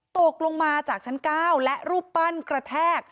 ตกลงมาจากชั้น๙และรูปปั้นกระแทก